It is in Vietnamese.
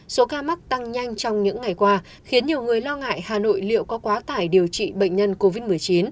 số ca mắc tăng nhanh trong những ngày qua khiến nhiều người lo ngại hà nội liệu có quá tải điều trị bệnh nhân covid một mươi chín